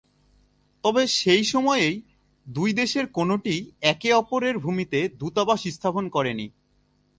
তবে সেই সময়েই দুই দেশের কোনটিই, একে অপরের ভূমিতে দূতাবাস স্থাপন করে নি।